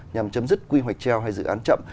nhằm chấm dứt quy hoạch treo hay dự án chậm